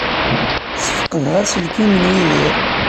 Sfeqdeɣ aselkim n Yidir.